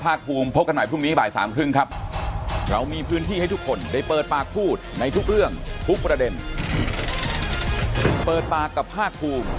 ผู้ประชุมครับหมดเวลาของเปิดปากกับภาคภูมิ